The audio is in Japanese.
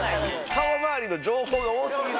顔周りの情報が多すぎる。